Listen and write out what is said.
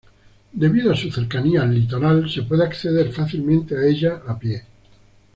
Debido a su cercanía al litoral se puede acceder fácilmente a ella a pie.